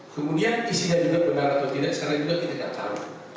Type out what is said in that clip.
kemudian isinya juga benar atau tidak sekarang juga kita tidak tahu